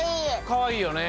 かわいいよね。